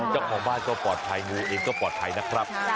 เจ้าของบ้านก็ปลอดภัยงูเองก็ปลอดภัยนะครับ